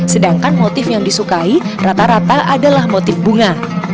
sedangkan motif yang disukai rata rata adalah motif bunga